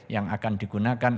yang akan digunakan